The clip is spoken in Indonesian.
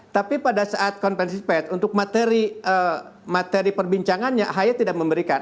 tapi pada saat konferensi fes untuk materi perbincangannya ahy tidak memberikan